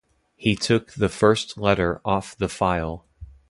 He took the first letter off the file.